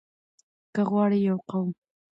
که غواړئ يو قوم